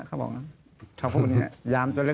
เขาพูดอย่างนี้ยามจนเล็ก